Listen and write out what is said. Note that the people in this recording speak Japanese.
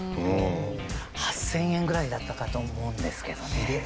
８０００円ぐらいだったかと思うんですけどね。